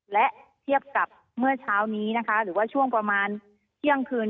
และเทียบกับเมื่อเช้านี้นะคะหรือว่าช่วงประมาณเที่ยงคืน